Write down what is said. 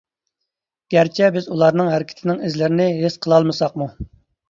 گەرچە بىز ئۇلارنىڭ ھەرىكىتىنىڭ ئىزلىرىنى ھېس قىلالمىساقمۇ.